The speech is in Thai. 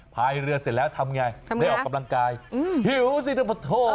พายเรือเสร็จแล้วทำไงได้ออกกำลังกายหิวสิต้องขอโทษ